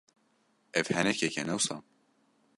Ev henekek e, ne wisa?